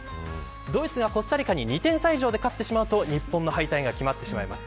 ドイツがコスタリカに２点差以上で勝ってしまうと日本の敗退が決まります。